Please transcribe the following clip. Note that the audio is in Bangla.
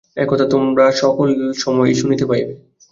এ-কথা তোমরা সকল সময়েই শুনিতে পাইবে।